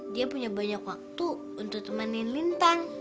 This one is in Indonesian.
dia punya banyak waktu untuk nemenin lintang